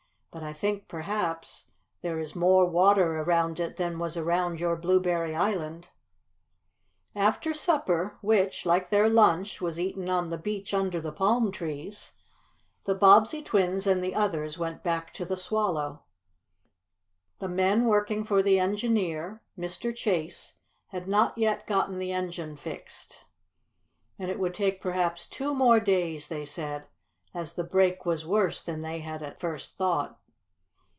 "But I think, perhaps, there is more water around it than was around your Blueberry Island." After supper, which, like their lunch, was eaten on the beach under the palm trees, the Bobbsey twins and the others went back to the Swallow. The men working for the engineer, Mr. Chase, had not yet gotten the engine fixed, and it would take perhaps two more days, they said, as the break was worse than they had at first thought.